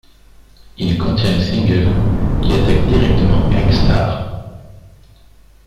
Il contient le single ', qui attaque directement Gang Starr.